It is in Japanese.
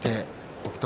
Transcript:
北勝